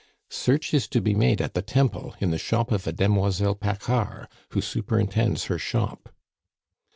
"Search is to be made at the Temple, in the shop of a demoiselle Paccard who superintends her shop."